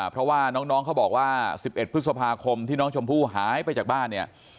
เพราะว่าน้องเขาบอกว่า๑๑พฤษภาคมที่น้องชมพู่หายไปจากบ้านเนี่ย